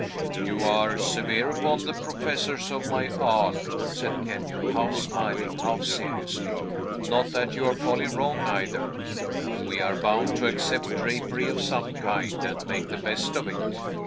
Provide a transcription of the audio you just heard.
"You are severe upon the professors of my art," said Kenyon, half smiling, half seriously; "not that you are wholly wrong, either. We are bound to accept drapery of some kind, and make the best of it.